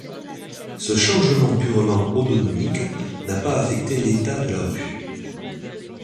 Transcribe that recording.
Ce changement purement odonymique n'a pas affecté l'état de la rue.